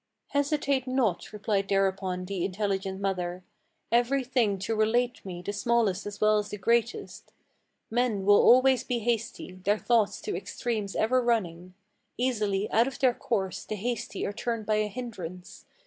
"Hesitate not," replied thereupon the intelligent mother, "Every thing to relate me, the smallest as well as the greatest. Men will always be hasty, their thoughts to extremes ever running: Easily out of their course the hasty are turned by a hindrance.